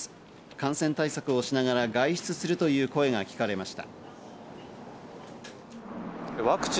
感染対策をしながら外出するという声が聞かれました。